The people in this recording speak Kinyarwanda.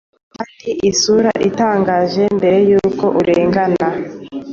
Kandi isura itangaje Mbere yuko urengana